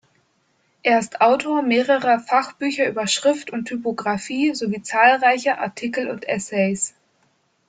Er ist Autor mehrerer Fachbücher über Schrift und Typografie sowie zahlreicher Artikel und Essays.